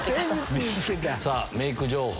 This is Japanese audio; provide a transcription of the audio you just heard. さぁメイク情報。